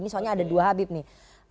misalnya ada dua habib nih